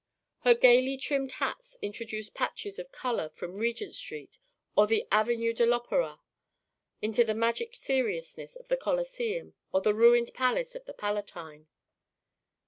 Her gaily trimmed hats introduced patches of colour from Regent Street or the Avenue de l'Opéra into the tragic seriousness of the Colosseum or the ruined palace of the Palatine.